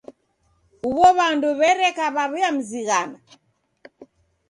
Huw'o w'andu w'ereka w'aw'iamzighana.